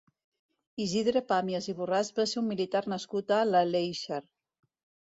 Isidre Pàmies i Borràs va ser un militar nascut a l'Aleixar.